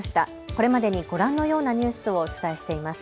これまでにご覧のようなニュースをお伝えしています。